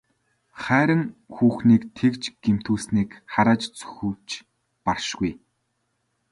Хайран хүүхнийг тэгж гэмтүүлснийг харааж зүхэвч баршгүй.